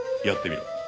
やってみろ。